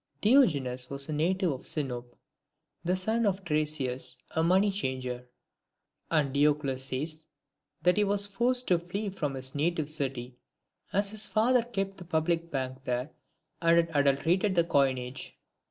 I. DIOGENES was a native of Sinope, the son of Tresius, a money changer. And Diocles says that he was forced to flee from his native city, as his father kept the public bank there, and had adulterated the coinage.